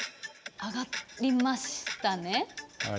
上がりましたね。